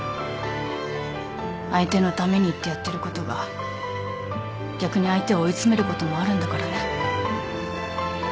相手のためにってやってることが逆に相手を追い詰めることもあるんだからね。